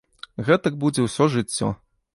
Гэтак будзе ўсё жыццё.